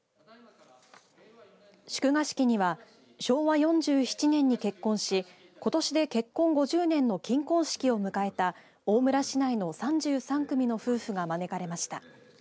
祝賀式には昭和４７年に結婚しことしで結婚５０年の金婚式を迎えた大村市内の３３組の夫婦が招かれました。